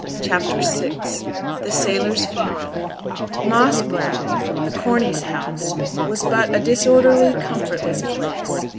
CHAPTER VI THE SAILOR'S FUNERAL Moss Brow, the Corney's house, was but a disorderly, comfortless place.